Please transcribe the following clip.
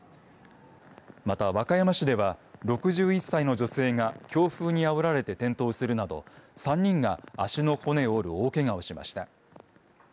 また、和歌山市では６１歳の女性が強風にあおられて転倒するなど３人が足の骨を折る大けがをしました。